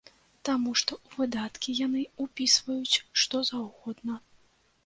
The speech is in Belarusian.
Таму што ў выдаткі яны ўпісваюць што заўгодна.